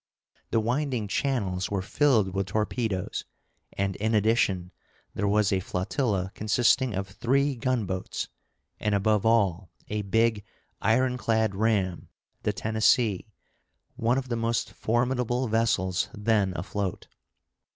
The winding channels were filled with torpedoes, and, in addition, there was a flotilla consisting of three gunboats, and, above all, a big ironclad ram, the Tennessee, one of the most formidable vessels then afloat.